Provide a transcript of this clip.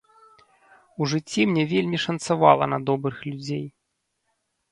У жыцці мне вельмі шанцавала на добрых людзей.